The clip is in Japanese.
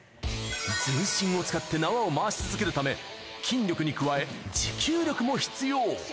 全身を使って縄を回し続けるため、筋力に加え持久力も必要。